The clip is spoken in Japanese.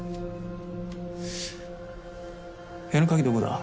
部屋の鍵どこだ？